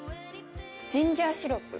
ジンジャーシロップ。